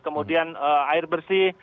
kemudian air bersih